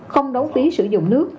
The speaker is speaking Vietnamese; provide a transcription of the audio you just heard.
không đóng phí sử dụng nước